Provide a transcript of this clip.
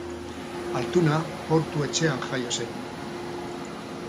Altuna Portu etxean jaio zen.